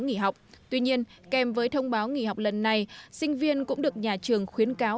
nghỉ học tuy nhiên kèm với thông báo nghỉ học lần này sinh viên cũng được nhà trường khuyến cáo